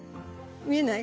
見えない？